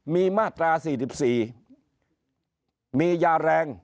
มีมาตรา๔๔มียาแรง